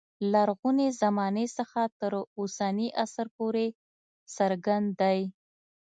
لرغونې زمانې څخه تر اوسني عصر پورې څرګند دی.